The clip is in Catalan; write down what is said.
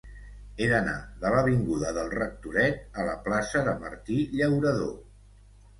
He d'anar de l'avinguda del Rectoret a la plaça de Martí Llauradó.